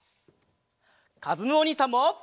かずむおにいさんも！